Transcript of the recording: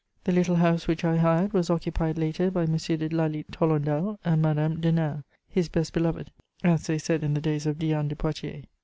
The little house which I hired was occupied later by M. De Lally Tolendal and Madame Denain, his "best beloved," as they said in the days of Diane de Poitiers.